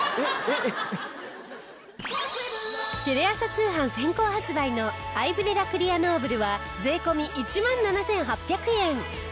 テレ朝通販先行発売のアイブレラクリアノーブルは税込１万７８００円。